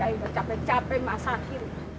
ayah udah capek capek masakin